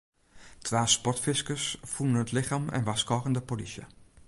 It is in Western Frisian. Twa sportfiskers fûnen it lichem en warskôgen de polysje.